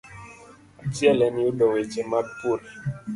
Achiel en yudo weche mag pur.